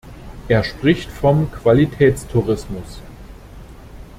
Er spricht vom Qualitätstourismus.